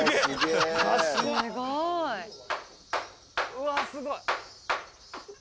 うわすごい。